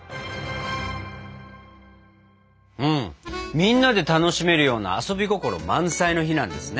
みんなで楽しめるような遊び心満載の日なんですね。